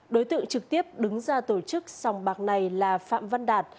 đối tượng trực tiếp đứng ra tổ chức sòng bạc này là phạm văn đạt